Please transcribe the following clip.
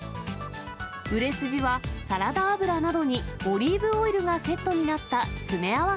売れ筋はサラダ油などにオリーブオイルがセットになった詰め合わ